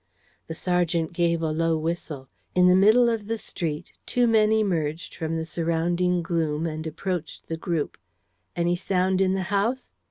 The sergeant gave a low whistle. In the middle of the street, two men emerged from the surrounding gloom and approached the group. "Any sound in the house?"